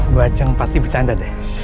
bu ajeng pasti bercanda deh